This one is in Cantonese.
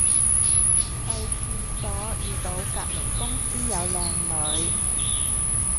去廁所遇到隔離公司有靚女